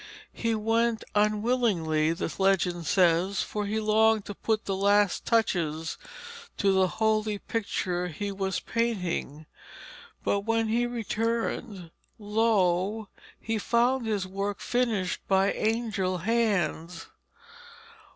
He went unwillingly, the legend says, for he longed to put the last touches to the holy picture he was painting; but when he returned, lo! he found his work finished by angel hands.